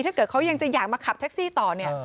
ถ้าเกิดเขายังจะอยากมาขับแท็กซี่ต่อเนี่ย